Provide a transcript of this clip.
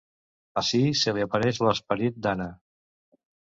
Ací se li apareix l'esperit d'Anna.